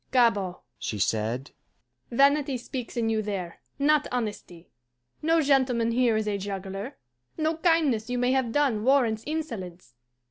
"Gabord," she said, "vanity speaks in you there, not honesty. No gentleman here is a juggler. No kindness you may have done warrants insolence.